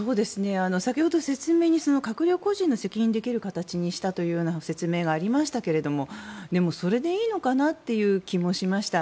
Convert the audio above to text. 先ほど説明に閣僚個人の責任できる形にしたという説明がありましたがでも、それでいいのかなという気もしました。